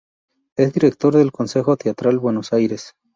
Es director del Complejo Teatral Buenos Aires.